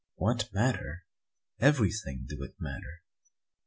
"What matter? Everything do it matter."